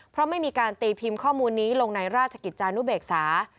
เพราะไม่มีการตีพิมพ์ข้อมูลนี้ลงในราชกิจจานุเบกษา